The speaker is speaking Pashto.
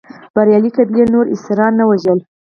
بریالۍ قبیلې نور اسیران نه وژل.